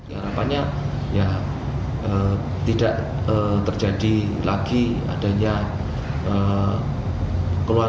harapannya tidak terjadi lagi adanya keluaran